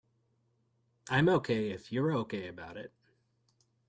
I'm OK if you're OK about it.